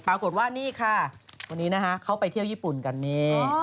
ปรากฏว่านี่ค่ะคนนี้นะคะเขาไปเที่ยวญี่ปุ่นกันนี่